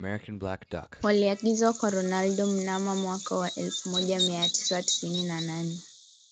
Waliagizwa kwa Ronaldo mnamo mwaka wa elfu moja mia tisa tisini na nane